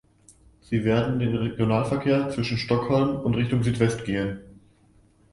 Sie werden in den Regionalverkehr zwischen Stockholm und Richtung Südwest gehen.